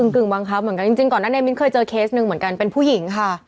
กึ่งบังคับเหมือนกันจริงก่อนนั้นในมิ้นเคยเจอเคสหนึ่งเหมือนกันเป็นผู้หญิงค่ะ